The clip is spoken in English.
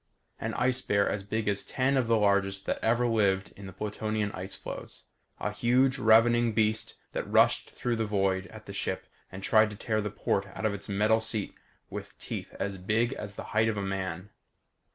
An ice bear as big as ten of the largest that ever lived in the Plutonian ice flows. A huge ravening beast that rushed through the void at the ship and tried to tear the port out of its metal seat with teeth as big as the height of a man.